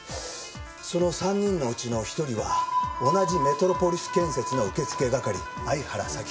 その３人のうちの１人は同じメトロポリス建設の受付係相原早紀。